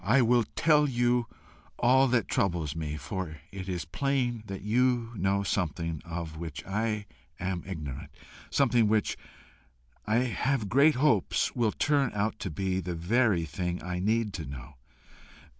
I will tell you all that troubles me, for it is plain that you know something of which I am ignorant, something which, I have great hopes, will turn out to be the very thing I need to know.